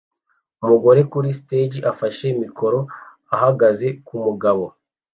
Umugore kuri stage afashe mikoro ahagaze kumugabo